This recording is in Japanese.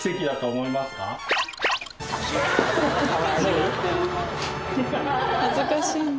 思う？恥ずかしいんだ。